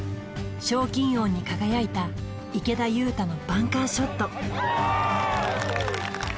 賞金王に輝いた池田勇太のバンカーショット